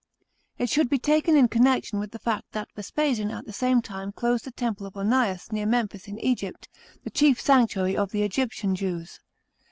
It should be taken in connection with the fact that Vespasian at the same time closed the Temple of Onias near Memphis in Euypt, the chief sanctuary of the Egyptian Jews.